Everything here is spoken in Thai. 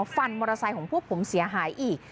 มอเตอร์ไซค์ของพวกผมเสียหายอีก